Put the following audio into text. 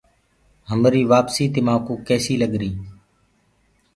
ميري وآپسي تمآڪوُ ڪيسي لگر۔